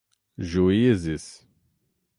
juízes